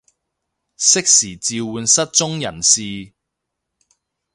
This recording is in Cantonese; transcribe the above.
適時召喚失蹤人士